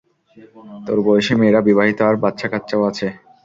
তোর বয়সী মেয়েরা বিবাহিত আর বাচ্ছাকাচ্ছাও আছে।